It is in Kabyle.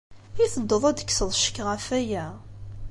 I tedduḍ ad d-tekkseḍ ccek ɣef waya?